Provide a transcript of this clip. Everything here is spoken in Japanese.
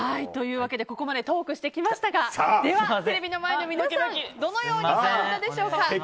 ここまでトークしてきましたがでは、テレビの前の皆さんどのようになったでしょうか。